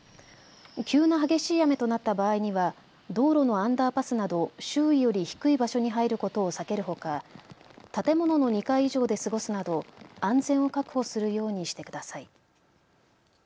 急な激しい雨となった場合には道路のアンダーパスなど周囲より低い場所に入ることを避けるほか建物の２階以上で過ごすなど安全を確保するようにしてください。